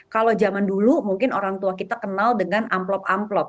kalau zaman dulu mungkin orang tua kita kenal dengan amplop amplop